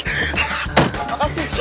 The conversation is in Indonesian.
itu penculiknya saya